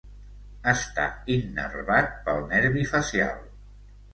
Està innervat pel nervi facial.